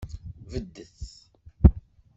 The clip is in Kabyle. Beddet.